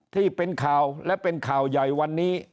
ที่เป็นข่าวและเป็นข่าวใหญ่วันนี้